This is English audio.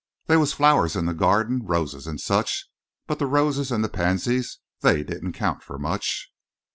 "They was flowers in the gyarden, roses, an' such, But the roses an' the pansies, they didn't count for much.